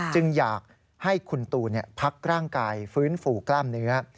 จึงอยากให้คุณตูนพักร่างกายฟื้นฟูกล้ามเนื้อ